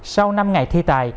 sau năm ngày thi tài